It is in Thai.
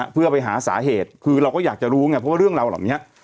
เพื่อไปหาสาเหตุคือเราก็อยากจะรู้ไงเพราะว่าเรื่องราวเหล่านี้